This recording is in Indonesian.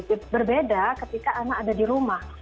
itu berbeda ketika anak ada di rumah